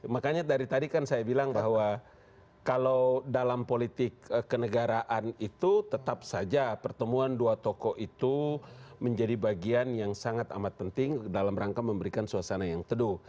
makanya dari tadi kan saya bilang bahwa kalau dalam politik kenegaraan itu tetap saja pertemuan dua tokoh itu menjadi bagian yang sangat amat penting dalam rangka memberikan suasana yang teduh